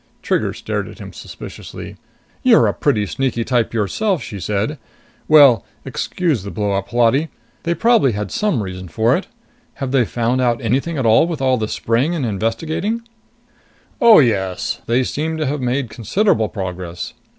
Trigger stared at him suspiciously. "You're a pretty sneaky type yourself!" she said. "Well, excuse the blowup, Holati. They probably had some reason for it. Have they found out anything at all with all the spraying and investigating?" "Oh, yes. They seem to have made considerable progress.